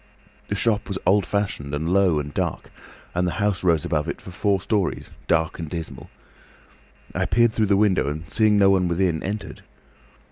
The shop was old fashioned and low and dark, and the house rose above it for four storeys, dark and dismal. I peered through the window and, seeing no one within, entered.